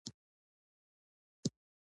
رضوان وویل استخاره مې کړې ده.